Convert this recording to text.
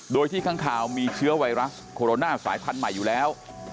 โดยที่ข้างคาวมีเชื้อไวรัสโคโรนาสายพันธุ์ใหม่อยู่แล้ว